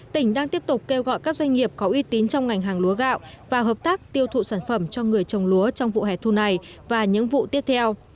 tỉnh đang tiếp tục kêu gọi các doanh nghiệp có uy tín trong ngành hàng lúa gạo và hợp tác tiêu thụ sản phẩm cho người trồng lúa trong vụ hẻ thu này và những vụ tiếp theo